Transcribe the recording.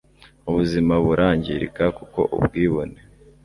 ubuzima burangirika, kuko ubwibone